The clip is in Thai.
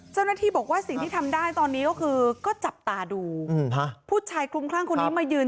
เจ้าหน้าที่บอกว่าสิ่งที่ทำได้ตอนนี้ก็คือก็จับตาดูผู้ชายคลุมคลั่งคนนี้มายืน